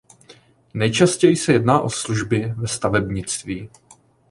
Nejčastěji se jedná o služby ve stavebnictví.